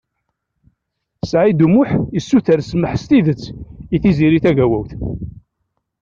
Saɛid U Muḥ yessuter smeḥ stidet i Tiziri Tagawawt.